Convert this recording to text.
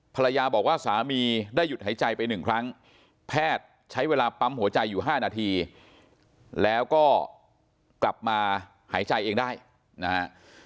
ภรรยาบอกว่าสามีได้หยุดหายใจไปหนึ่งครั้งแพทย์ใช้เวลาปั๊มหัวใจอยู่๕นาทีแล้วก็กลับมาหายใจเองได้นะฮะ